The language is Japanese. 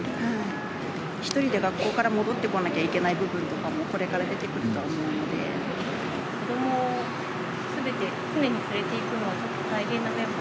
１人で学校から戻ってこなきゃいけない部分とかもこれから出てく子どもを常に連れて行くのは大変な面も。